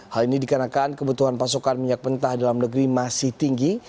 hal ini dikarenakan kebutuhan pasokan minyak mentah dalam negeri masih tinggi